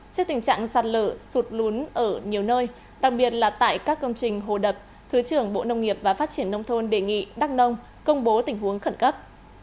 trước tình trạng sạt lở sụt lún ở nhiều nơi đặc biệt là tại các công trình hồ đập thứ trưởng bộ nông nghiệp và phát triển nông thôn đề nghị đắc nông công bố tình huống khẩn cấp